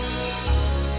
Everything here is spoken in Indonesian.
tuhan yang maha